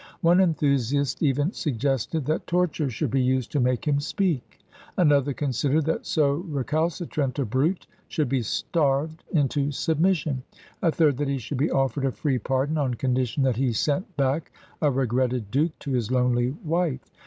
One enthusiast even suggested that torture should be used to make him speak; another considered that so recalcitrant a brute should be starved into submission; a third that he should be offered a free pardon on condition that he sent back a regretted Duke to his lonely wife.